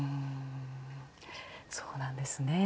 そうなんですね。